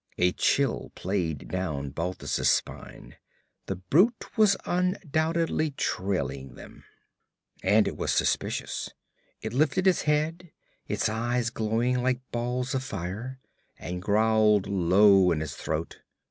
A chill played down Balthus' spine. The brute was undoubtedly trailing them. And it was suspicious. It lifted its head, its eyes glowing like balls of fire, and growled low in its throat.